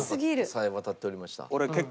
さえ渡っておりました。